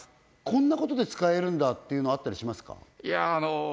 こんなことで使えるんだっていうのあったりしますか？